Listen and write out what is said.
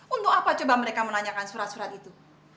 untuk apa coba mereka menanyakan surat surat itu